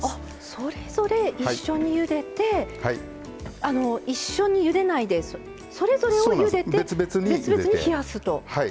それぞれ一緒にゆでて一緒にゆでないでそれぞれをゆでて別々に冷やすと。